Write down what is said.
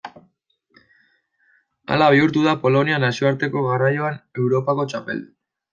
Hala bihurtu da Polonia nazioarteko garraioan Europako txapeldun.